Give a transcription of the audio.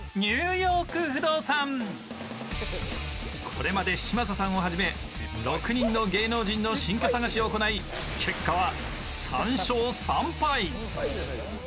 これまで、嶋佐さんをはじめ６人の芸能人の新居探しを行い結果は３勝３敗。